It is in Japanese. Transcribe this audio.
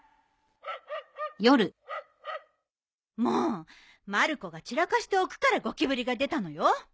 もうまる子が散らかしておくからゴキブリが出たのよ。